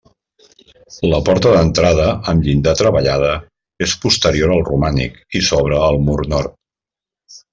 La porta d'entrada, amb llinda treballada, és posterior al romànic i s'obre al mur nord.